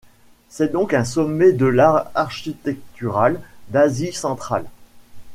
C'est donc un sommet de l'art architectural d'Asie centrale.